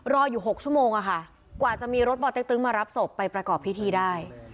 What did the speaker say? รออยู่๖ชั่วโมงอะค่ะกว่าจะมีรถปอเต็กตึ๊งมารับศพไปประกอบพิธีได้